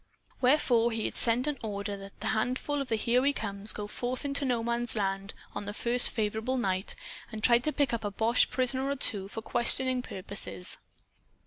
Wherefore he had sent an order that a handful of the "Here We Comes" go forth into No Man's Land, on the first favorable night, and try to pick up a boche prisoner or two for questioning purposes.